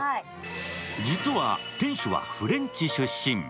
実は店主はフレンチ出身。